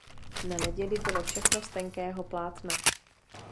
Na neděli bylo všechno z tenkého plátna.